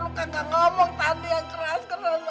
lu kenapa gak ngomong tadi yang keras karena mbak gue